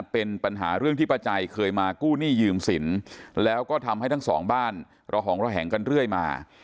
เป็นปัญหาเรื่องที่ป้าใจเคยมากู้หนี้ยืมสินแล้วก็ทำให้ทั้งสองบ้านระหองระแหงกันเรื่อยมา